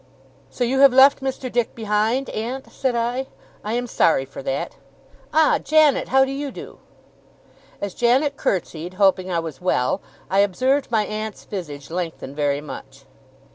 'So you have left Mr. Dick behind, aunt?' said I. 'I am sorry for that. Ah, Janet, how do you do?' As Janet curtsied, hoping I was well, I observed my aunt's visage lengthen very much.